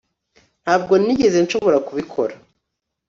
ntabwo nigeze nshobora kubikora